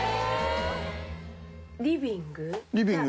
リビング？